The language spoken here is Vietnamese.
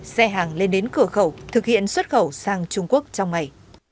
xe hàng lên đến cửa khẩu thực hiện xuất khẩu sang trung quốc trong ngày